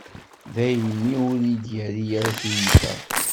Daymi ur iyi-d-yerri ara tiyita.